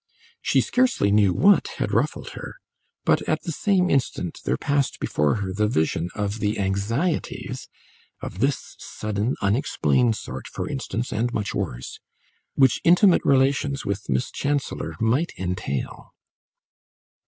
She scarcely knew what had ruffled her, but at the same instant there passed before her the vision of the anxieties (of this sudden, unexplained sort, for instance, and much worse) which intimate relations with Miss Chancellor might entail.